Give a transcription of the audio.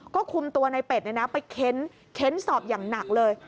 ก็คุมตัวในเป็ดไปเค้นสอบอย่างหนักเลย